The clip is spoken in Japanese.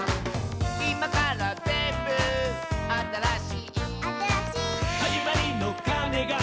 「いまからぜんぶあたらしい」「あたらしい」「はじまりのかねが」